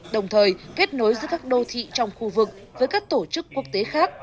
đồng thời kết nối giữa các đô thị trong khu vực với các tổ chức quốc tế khác